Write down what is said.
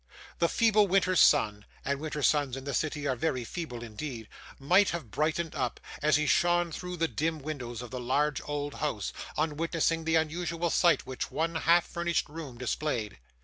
The feeble winter's sun and winter's suns in the city are very feeble indeed might have brightened up, as he shone through the dim windows of the large old house, on witnessing the unusual sight which one half furnished room displayed.